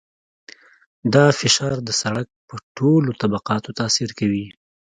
دا فشار د سرک په ټولو طبقاتو تاثیر کوي